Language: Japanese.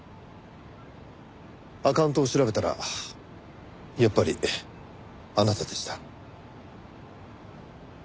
アカウントを調べたらやっぱりあなたでした。